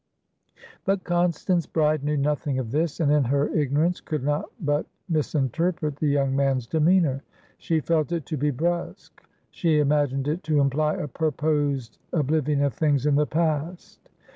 But Constance Bride knew nothing of this, and in her ignorance could not but misinterpret the young man's demeanor. She felt it to be brusque; she imagined it to imply a purposed oblivion of things in the past.